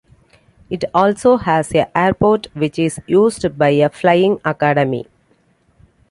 It also has a airport which is used by a flying academy.